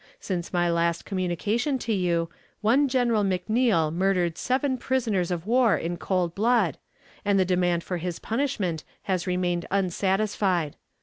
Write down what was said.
Since my last communication to you, one General McNeil murdered seven prisoners of war in cold blood, and the demand for his punishment has remained unsatisfied.